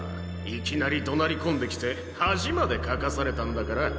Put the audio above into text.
いきなり怒鳴り込んできて恥までかかされたんだから。